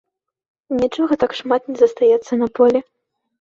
Нічога так шмат не застаецца на полі.